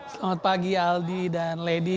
selamat pagi aldi dan lady